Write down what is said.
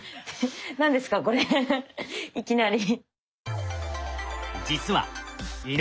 何ですかこれいきなり。